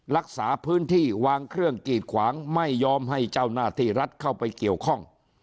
รักษาพื้นที่วางเครื่องกีดขวางไม่ยอมให้เจ้าหน้าที่รัฐเข้าไปเกี่ยวข้อง